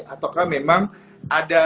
ataukah memang ada